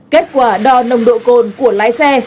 kết quả đo nồng độ côn của lái xe